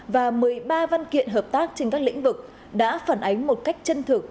và một mươi ba văn kiện hợp tác trên các lĩnh vực đã phản ánh một cách chân thực